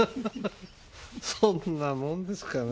そんなもんですかねぇ。